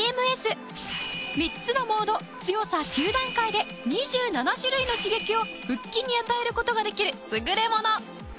３つのモード強さ９段階で２７種類の刺激を腹筋に与える事ができる優れもの。